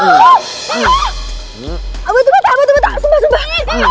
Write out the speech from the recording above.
tunggu tunggu tunggu sumpah sumpah